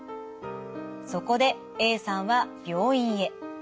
そこでＡさんは病院へ。